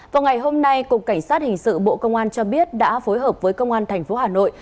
vào ngày hôm nay cục cảnh sát hình sự bộ công an cho biết đã phối hợp với công an tp hà nội